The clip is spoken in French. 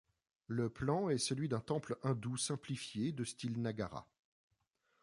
Le plan est celui d'un temple hindou simplifié de style Nagara.